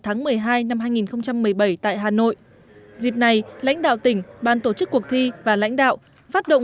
tháng một mươi hai năm hai nghìn một mươi bảy tại hà nội dịp này lãnh đạo tỉnh ban tổ chức cuộc thi và lãnh đạo phát động